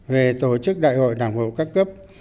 về tổ chức đại hội đảng bộ các cấp